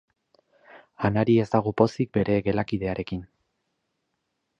Anari ez dago pozik bere gelakidearekin.